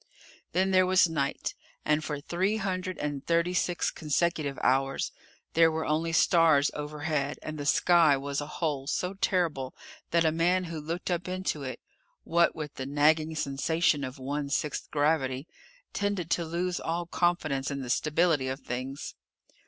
Then there was night, and for three hundred and thirty six consecutive hours there were only stars overhead and the sky was a hole so terrible that a man who looked up into it what with the nagging sensation of one sixth gravity tended to lose all confidence in the stability of things.